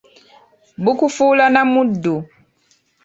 Bukufuula na muddu.